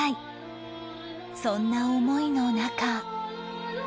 そんな思いの中